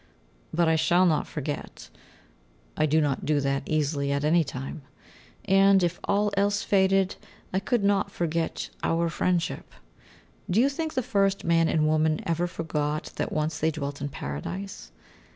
But I shall not forget I do not do that easily at any time and, if all else faded, I could not forget our friendship. Do you think the first man and woman ever forgot that once they dwelt in Paradise?